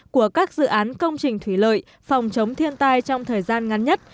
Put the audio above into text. của các dự án công trình thủy lợi phòng chống thiên tai trong thời gian ngắn nhất